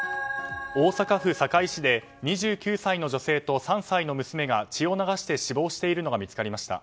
大阪府堺市で２９歳の女性と３歳の娘が血を流して死亡しているのが見つかりました。